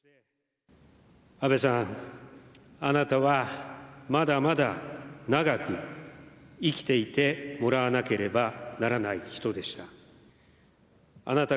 安倍さん、あなたはまだまだ長く生きていてもらわなければならない人でした。